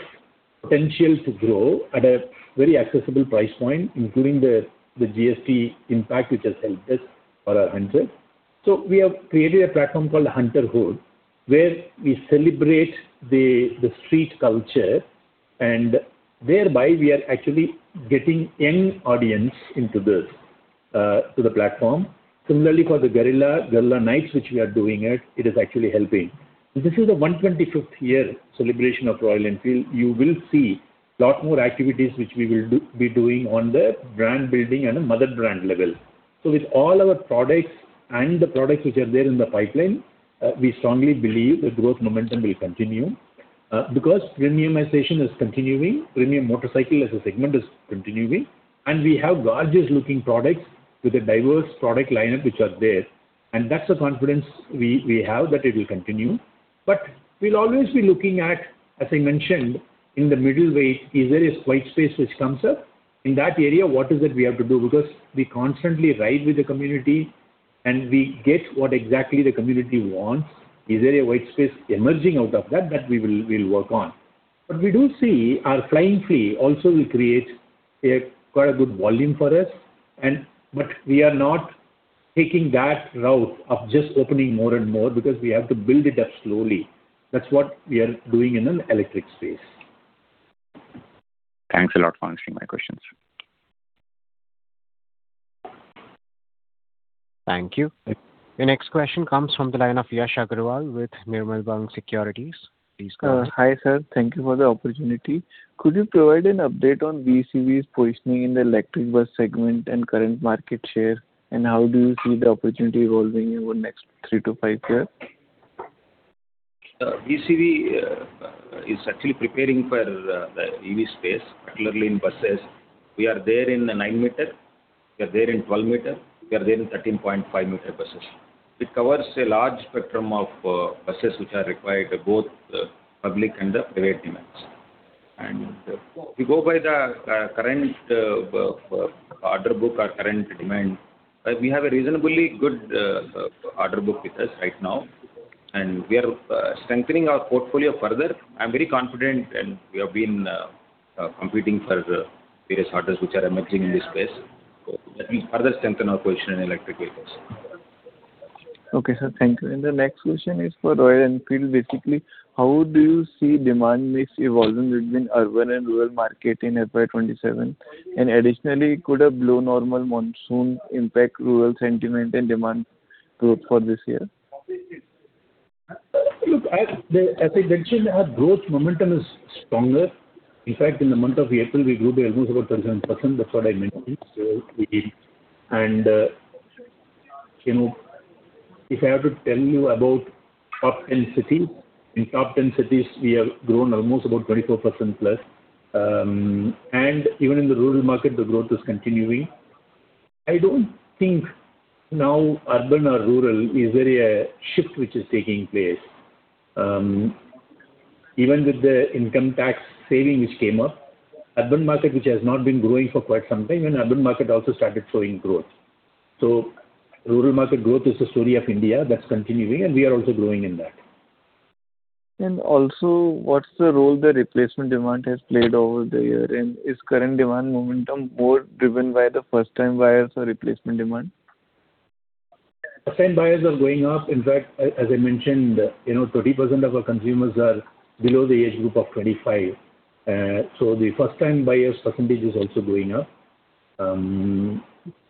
potential to grow at a very accessible price point, including the GST impact, which has helped us for our Hunter. We have created a platform called Hunterhood, where we celebrate the street culture and thereby we are actually getting young audience into the platform. Similarly, for the Guerrilla Nights, which we are doing, it is actually helping. This is the 125th year celebration of Royal Enfield. You will see a lot more activities which we will be doing on the brand building and mother brand level. With all our products and the products which are there in the pipeline, we strongly believe the growth momentum will continue. Premiumization is continuing, premium motorcycle as a segment is continuing, and we have gorgeous looking products with a diverse product lineup which are there. That's the confidence we have that it will continue. We'll always be looking at, as I mentioned, in the middle way, is there a white space which comes up? In that area, what is it we have to do? We constantly ride with the community and we get what exactly the community wants. Is there a white space emerging out of that? That we will work on. We do see our Flying Flea also will create quite a good volume for us. We are not taking that route of just opening more and more because we have to build it up slowly. That's what we are doing in an electric space. Thanks a lot for answering my questions. Thank you. The next question comes from the line of Yash Agarwal with Nirmal Bang Securities. Please go ahead. Hi, sir. Thank you for the opportunity. Could you provide an update on VECV's positioning in the electric bus segment and current market share? How do you see the opportunity evolving over the next three to five years? VECV is actually preparing for the EV space, particularly in buses. We are there in the 9 meter, we are there in 12 meter, we are there in 13.5 meter buses. It covers a large spectrum of buses which are required both public and private demands. If you go by the current order book or current demand, we have a reasonably good order book with us right now, and we are strengthening our portfolio further. I'm very confident, and we have been competing for various orders which are emerging in this space. That will further strengthen our position in electric vehicles. Okay, sir. Thank you. The next question is for Royal Enfield. Basically, how do you see demand mix evolving between urban and rural market in FY 2027? Additionally, could a below-normal monsoon impact rural sentiment and demand growth for this year? Look, as I mentioned, our growth momentum is stronger. In fact, in the month of April, we grew almost about 27%. That's what I mentioned. If I have to tell you about top 10 cities. In top 10 cities, we have grown almost about 24%+. Even in the rural market, the growth is continuing. I don't think now urban or rural, is there a shift which is taking place? Even with the income tax saving which came up, urban market which has not been growing for quite some time, and urban market also started showing growth. Rural market growth is a story of India that's continuing, and we are also growing in that. Also, what's the role the replacement demand has played over the year? Is current demand momentum more driven by the first-time buyers or replacement demand? First-time buyers are going up. In fact, as I mentioned, 30% of our consumers are below the age group of 25. The first-time buyers percentage is also going up.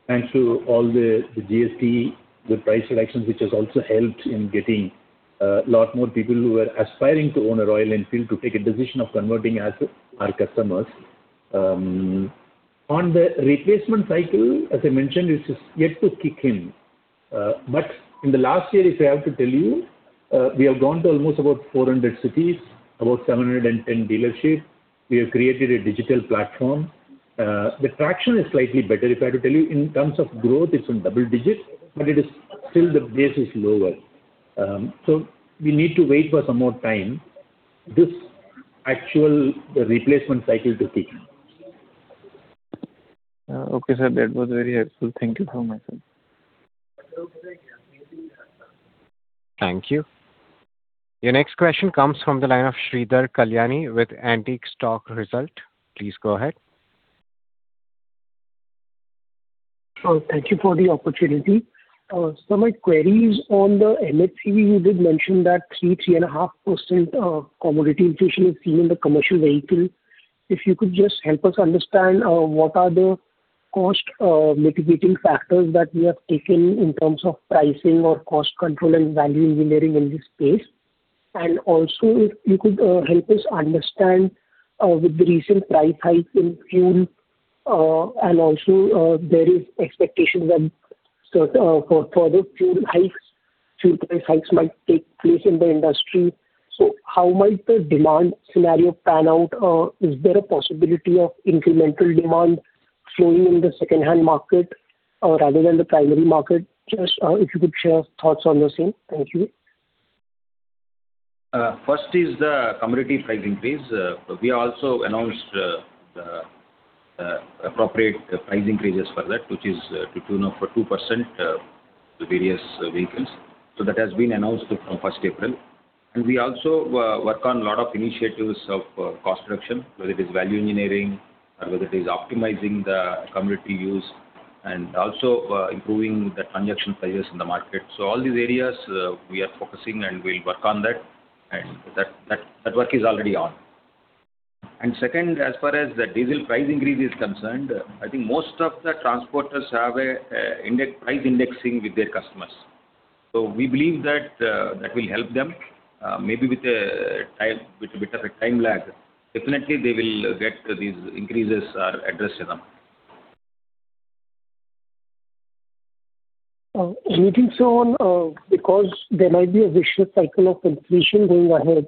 Thanks to all the GST, the price reductions, which has also helped in getting a lot more people who were aspiring to own a Royal Enfield to take a decision of converting as our customers. On the replacement cycle, as I mentioned, it is yet to kick in. In the last year, if I have to tell you, we have gone to almost about 400 cities, about 710 dealerships. We have created a digital platform. The traction is slightly better. If I have to tell you in terms of growth, it's in double digits, but still the base is lower. We need to wait for some more time, this actual replacement cycle to kick in. Okay, sir. That was very helpful. Thank you so much, sir. Thank you. Your next question comes from the line of Shridhar Kallani with Antique Stock Broking. Please go ahead. Thank you for the opportunity. My query is on the MHCV. You did mention that 3%-3.5% commodity inflation is seen in the commercial vehicle. If you could just help us understand what are the cost mitigating factors that you have taken in terms of pricing or cost control and value engineering in this space. Also, if you could help us understand with the recent price hike in fuel and also there is expectations for further fuel price hikes might take place in the industry. How might the demand scenario pan out? Is there a possibility of incremental demand flowing in the secondhand market rather than the primary market? Just if you could share thoughts on the same. Thank you. First is the commodity pricing phase. We also announced the appropriate pricing phases for that, which is to tune up for 2% to various vehicles. That has been announced from 1st April. We also work on a lot of initiatives of cost reduction, whether it is value engineering or whether it is optimizing the commodity use and also improving the transaction prices in the market. All these areas we are focusing and we'll work on that, and that work is already on. Second, as far as the diesel price increase is concerned, I think most of the transporters have a price indexing with their customers. We believe that will help them, maybe with a bit of a time lag. Definitely, they will get these increases are addressed to them. Anything, sir, on because there might be a vicious cycle of inflation going ahead,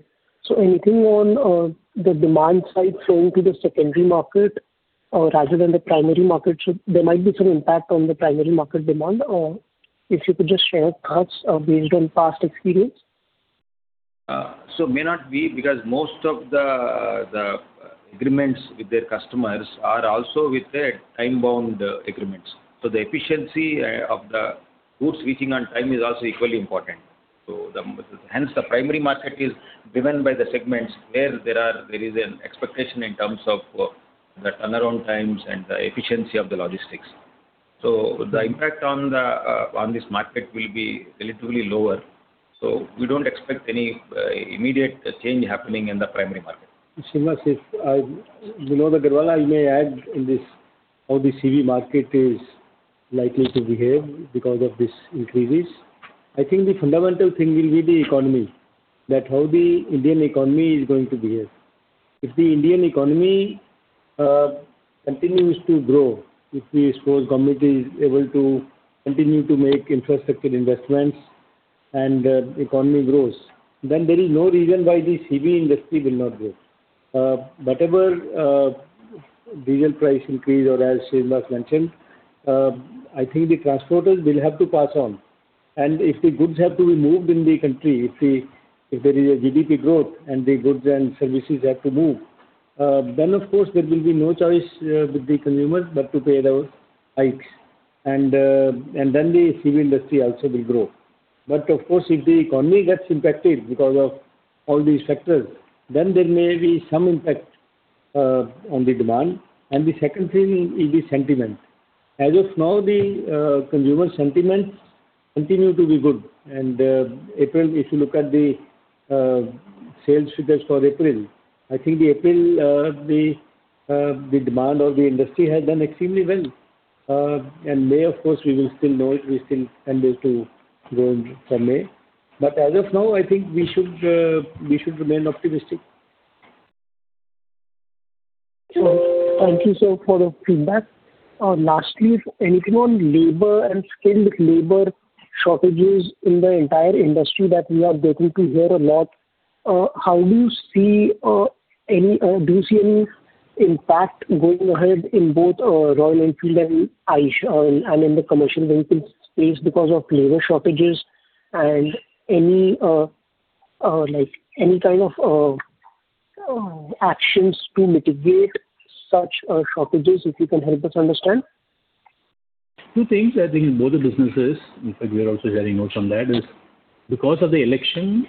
so anything on the demand side flowing to the secondary market rather than the primary market? There might be some impact on the primary market demand. If you could just share thoughts based on past experience. May not be, because most of the agreements with their customers are also with a time-bound agreement. The efficiency of the goods reaching on time is also equally important. Hence, the primary market is driven by the segments where there is an expectation in terms of the turnaround times and the efficiency of the logistics. The impact on this market will be relatively lower. We don't expect any immediate change happening in the primary market. Srinivas, Vinod Aggarwal, I may add in this how the CV market is likely to behave because of these increases. I think the fundamental thing will be the economy, that how the Indian economy is going to behave. If the Indian economy continues to grow, if we suppose government is able to continue to make infrastructure investments and economy grows, then there is no reason why the CV industry will not grow. Whatever diesel price increase or as Srinivas mentioned, I think the transporters will have to pass on. If the goods have to be moved in the country, if there is a GDP growth and the goods and services have to move, then of course, there will be no choice with the consumers but to pay those hikes. Then the CV industry also will grow. Of course, if the economy gets impacted because of all these factors, then there may be some impact on the demand. The second thing will be sentiment. As of now, the consumer sentiments continue to be good. If you look at the sales figures for April, I think the April, the demand of the industry has done extremely well. May, of course, we will still know it. We still have to go for May. As of now, I think we should remain optimistic. Thank you, sir, for the feedback. Lastly, anything on labor and skilled labor shortages in the entire industry that we are getting to hear a lot, do you see any impact going ahead in both Royal Enfield and Eicher and in the commercial vehicles space because of labor shortages and any kind of actions to mitigate such shortages, if you can help us understand? Two things, I think in both the businesses, in fact, we are also sharing notes on that, is because of the election,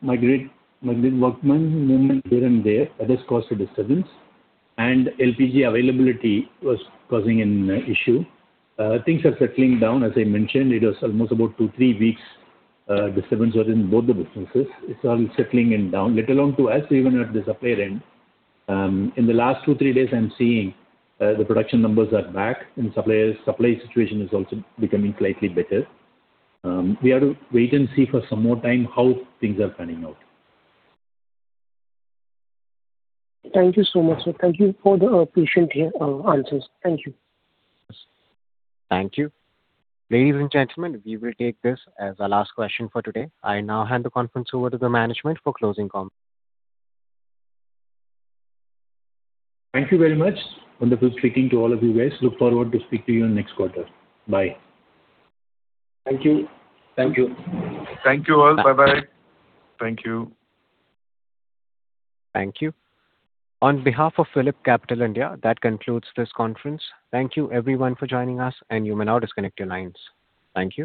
migrant workmen movement here and there, that has caused a disturbance, and LPG availability was causing an issue. Things are settling down. As I mentioned, it was almost about two, three weeks disturbance was in both the businesses. It's all settling down. Let alone to us, even at the supplier end. In the last two, three days, I am seeing the production numbers are back and supply situation is also becoming slightly better. We have to wait and see for some more time how things are panning out. Thank you so much, sir. Thank you for the patient answers. Thank you. Thank you. Ladies and gentlemen, we will take this as our last question for today. I now hand the conference over to the management for closing comments. Thank you very much. Wonderful speaking to all of you guys. Look forward to speak to you next quarter. Bye. Thank you. Thank you. Thank you all. Bye bye. Thank you. Thank you. On behalf of PhillipCapital India, that concludes this conference. Thank you everyone for joining us, and you may now disconnect your lines. Thank you.